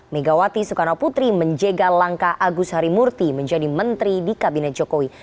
megawati soekarno putri menjaga langkah agus harimurti menjadi menteri di kabinet jokowi